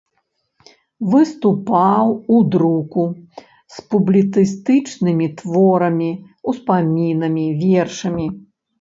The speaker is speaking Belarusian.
Выступаў у друку з публіцыстычнымі творамі, успамінамі, вершамі.